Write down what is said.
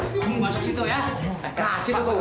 sampai jumpa di video selanjutnya